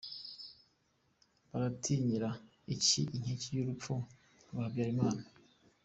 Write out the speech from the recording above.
Baratinyira iki Anketi ku rupfu rwa Habyarimana!